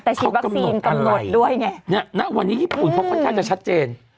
แต่กำหนดอะไรวันนี้ญี่ปุ่นเขาค่อนข้างจะชัดเจน